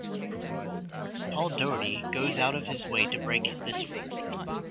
Paul Doherty goes out of his way to break this rule.